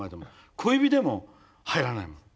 小指でも入らないもん。